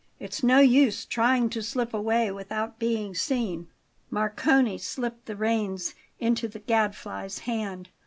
It's no use trying to slip away without being seen." Marcone slipped the reins into the Gadfly's hand.